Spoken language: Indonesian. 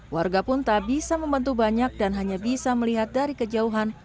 warga pun tak bisa membantu banyak dan hanya bisa melihat dari kejauhan